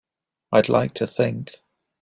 I'd like to think.